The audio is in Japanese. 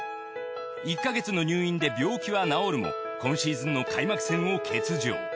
１か月の入院で病気は治るも今シーズンの開幕戦を欠場。